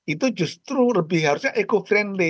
itu justru lebih harusnya eco friendly